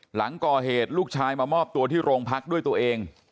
หลังก่อเหตุลูกชายมามอบตัวที่โรงพักด้วยตัวเอง